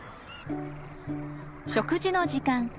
食事の時間。